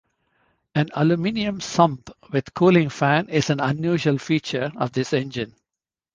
An aluminium sump with cooling fins is an unusual feature of this engine.